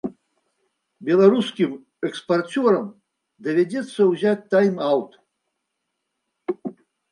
Беларускім экспарцёрам давядзецца ўзяць тайм-аўт.